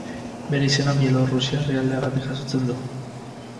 Bere izena Bielorrusia herrialdeagatik jasotzen du.